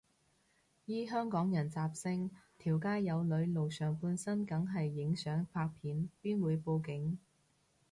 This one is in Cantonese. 依香港人習性，條街有女露上半身梗係影相拍片，邊會報警